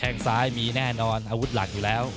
งซ้ายมีแน่นอนอาวุธหลักอยู่แล้ว